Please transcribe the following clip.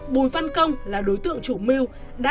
bùi văn công là đối tượng chủ mưu